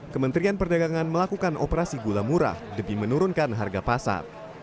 kementerian perdagangan melakukan operasi gula murah demi menurunkan harga pasar